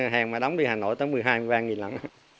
hàng mà đóng đi hà nội tới một mươi hai một mươi ba lần